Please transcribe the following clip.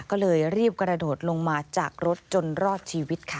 ก็เลยรีบกระโดดลงมาจากรถจนรอดชีวิตค่ะ